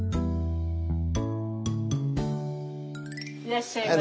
いらっしゃいませ。